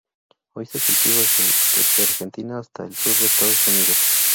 Hoy se cultiva desde Argentina hasta el sur de Estados Unidos.